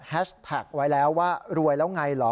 แท็กไว้แล้วว่ารวยแล้วไงเหรอ